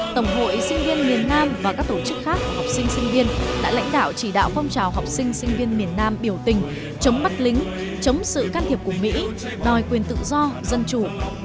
tổng hội sinh viên miền nam và các tổ chức khác học sinh sinh viên đã lãnh đạo chỉ đạo phong trào học sinh sinh viên miền nam biểu tình chống bắt lính chống sự can thiệp của mỹ đòi quyền tự do dân chủ